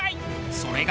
それが。